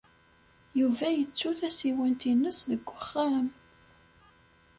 Yuba yettu tasiwant-nnes deg uxxam.